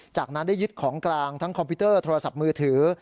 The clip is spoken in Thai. จากนั้นได้ยึดของกลางทั้งคอมพิวเตอร์โทรศัพท์มือถือ